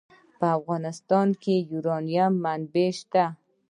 په افغانستان کې د یورانیم منابع شته.